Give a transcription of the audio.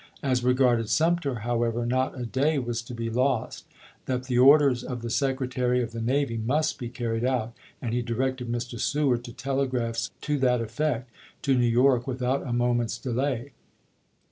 As regarded Sumter, however, not a day was to be lost — that the orders of the Secretary of the Navy must be carried out, and he directed Mr. Seward to telegraph to that effect to New York without a moment's delay.